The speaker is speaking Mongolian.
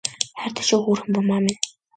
Хайртай шүү хөөрхөн бурмаа минь